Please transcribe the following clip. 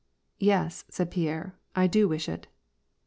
" Yes," said Pierre, « I do wish it."